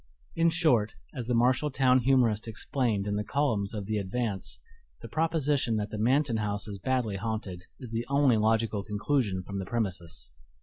In short, as the Marshall town humorist explained in the columns of the Advance, "the proposition that the Manton house is badly haunted is the only logical conclusion from the premises."